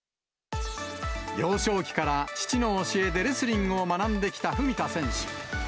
幼少期から父の教えでレスリングを学んできた文田選手。